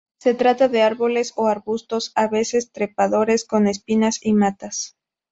Se trata de árboles o arbustos, a veces trepadores con espinas, y matas.